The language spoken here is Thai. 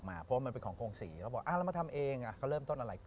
เพราะว่ามันเป็นของโครงศรีแล้วบอกเรามาทำเองเขาเริ่มต้นอะไร